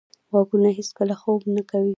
غوږونه هیڅکله خوب نه کوي.